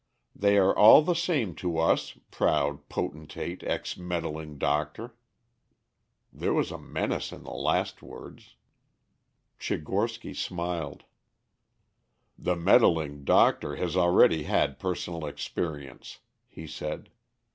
They are all the same to us, proud potentate, ex meddling doctor." There was a menace in the last words. Tchigorsky smiled: "The meddling doctor has already had personal experience," he said.